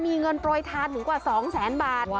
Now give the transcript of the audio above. มีเงินโปรยทานถึงกว่า๒แสนบาท